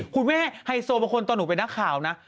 คุณแม่ไฮโซมแปลงตัวหนูเป็นนักข่าวนะ